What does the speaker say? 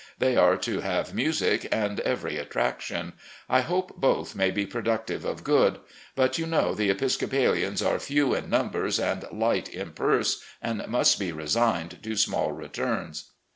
They are to have music and every attraction. I hope both may be productive of good. But you know the Episcopalians are few in niunbers and light in purse, and must be resigned to small returns.